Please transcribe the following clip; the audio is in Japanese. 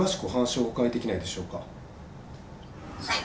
はい。